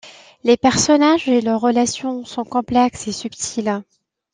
Les personnages et leurs relations sont complexes et subtils.